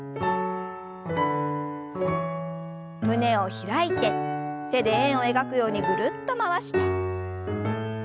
胸を開いて手で円を描くようにぐるっと回して。